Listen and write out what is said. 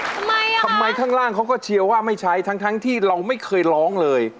ทำไมอ่ะทำไมข้างล่างเขาก็เชียร์ว่าไม่ใช้ทั้งที่เราไม่เคยร้องเลย